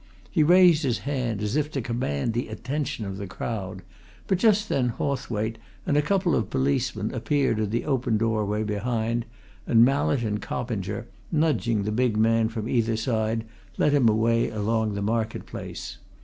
He raised his hand, as if to command the attention of the crowd, but just then Hawthwaite and a couple of policemen appeared in the open doorway behind, and Mallett and Coppinger, nudging the big man from either side, led him away along the market place.